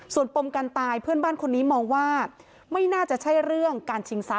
ส่วนปมการตายเพื่อนบ้านคนนี้มองว่าไม่น่าจะใช่เรื่องการชิงทรัพ